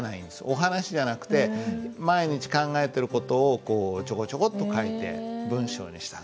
お話じゃなくて毎日考えてる事をこうちょこちょこっと書いて文章にした。